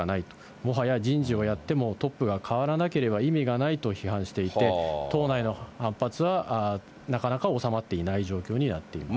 もはや人事をやってもトップが変わらなければ意味がないと批判していて、党内の反発はなかなか収まっていない状況になっています。